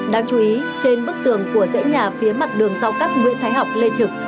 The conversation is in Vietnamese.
đáng chú ý trên bức tường của dãy nhà phía mặt đường giao cắt nguyễn thái học lê trực